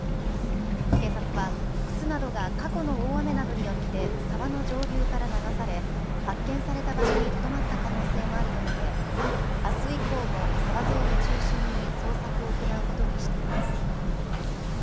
警察は靴などが過去の大雨などによって沢の上流から流され発見された場所にとどまった可能性もあると見てあす以降も沢沿いを中心に捜索を行うことにしています。